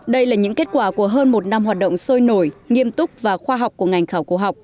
đây là những kết quả của hơn một năm hoạt động sôi nổi nghiêm túc và khoa học của ngành khảo cổ học